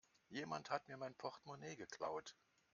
Jemand hat mir mein Portmonee geklaut.